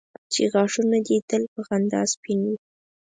چې غاښونه دي تل په خندا سپین وي.